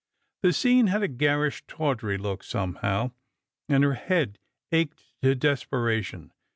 The scene had a garish tawdry look, somehow, and her head ached to desperation.